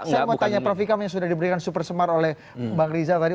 saya mau tanya prof ikam yang sudah diberikan super semar oleh bang rizal tadi